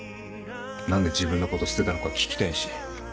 何で自分のこと捨てたのか聞きたいし。